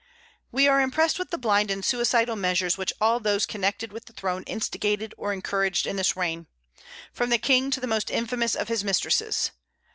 We are impressed with the blind and suicidal measures which all those connected with the throne instigated or encouraged in this reign, from the King to the most infamous of his mistresses.